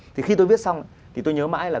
thì khi tôi viết xong thì tôi nhớ mãi là